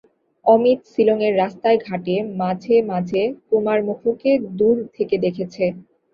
অমিত শিলঙের রাস্তায়-ঘাটে মাঝে মাঝে কুমার মুখোকে দূর থেকে দেখেছে।